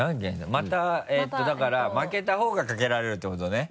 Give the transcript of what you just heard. まただから負けた方がかけられるってことね？